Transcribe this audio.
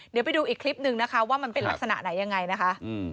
เดี๋ยวไปดูอีกคลิปนึงนะคะว่ามันเป็นลักษณะไหนยังไงนะคะ